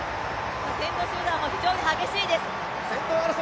先頭集団も非常に激しいです。